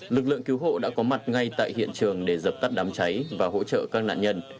lực lượng cứu hộ đã có mặt ngay tại hiện trường để dập tắt đám cháy và hỗ trợ các nạn nhân